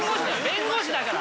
弁護士だから。